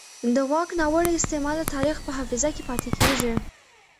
د واک ناوړه استعمال د تاریخ په حافظه کې پاتې کېږي